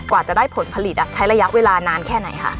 กว่าจะได้ผลผลิตใช้ระยะเวลานานแค่ไหนคะ